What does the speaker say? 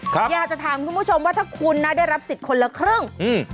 อยากจะถามคุณผู้ชมว่าถ้าคุณนะได้รับสิทธิ์คนละครึ่งอืม